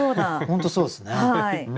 本当そうですね。